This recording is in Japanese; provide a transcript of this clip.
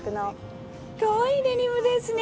かわいいデニムですね。